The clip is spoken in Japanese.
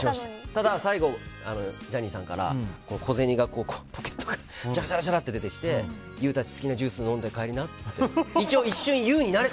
ただ最後ジャニーさんから小銭がポケットからジャラジャラって出てきてユーたち、好きなジュース飲んで帰りなって。